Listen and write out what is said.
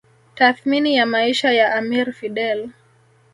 Tathmini ya maisha ya amir Fidel